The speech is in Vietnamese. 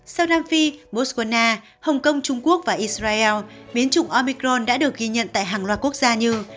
sau nam phi moscow hồng kông trung quốc và israel biến chủng omicron đã được ghi nhận tại hàng loạt quốc gia như